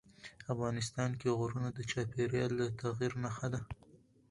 افغانستان کې غرونه د چاپېریال د تغیر نښه ده.